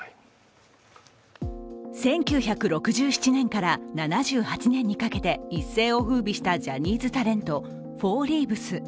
１９６７年から７８年にかけて一世をふうびしたジャニーズタレントフォーリーブス。